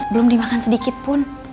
belum dimakan sedikit pun